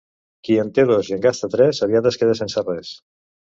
Qui en té dos i en gasta tres, aviat es queda sense res.